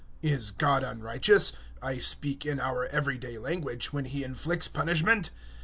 (Is God unrighteous I speak in our everyday language when He inflicts punishment?